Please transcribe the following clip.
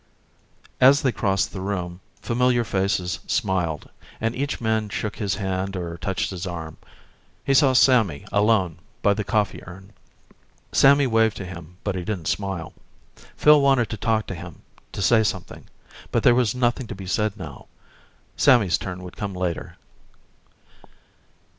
As they crossed the room, familiar faces smiled, and each man shook his hand or touched his arm. He saw Sammy, alone, by the coffee urn. Sammy waved to him, but he didn't smile. Phil wanted to talk to him, to say something; but there was nothing to be said now. Sammy's turn would come later.